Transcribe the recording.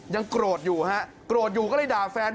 ยังโกรธอยู่ฮะโกรธอยู่ก็เลยด่าแฟน